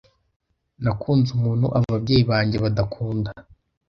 Nakunze umuntu ababyeyi banjye badakunda.